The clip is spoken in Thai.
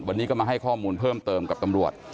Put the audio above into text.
วันนี้ก็มาให้ข้อมูลเพิ่มเติมกับตำรวจ